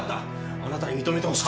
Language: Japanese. あなたに認めてほしくて。